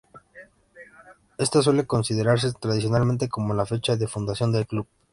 Esta suele considerarse tradicionalmente como la fecha de fundación del club.